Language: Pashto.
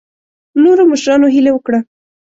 نورو مشرانو هیله وکړه.